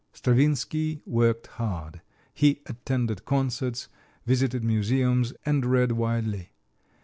Stravinsky worked hard. He attended concerts, visited museums and read widely.